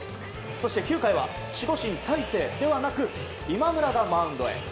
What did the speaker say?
そして９回は守護神大勢ではなく今村がマウンドへ。